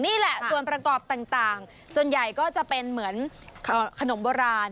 นี่แหละส่วนประกอบต่างส่วนใหญ่ก็จะเป็นเหมือนขนมโบราณ